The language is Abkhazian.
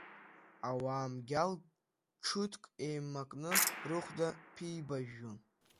Ауаа мгьал ҽыҭк еимакны рыхәда ԥибажәжәон.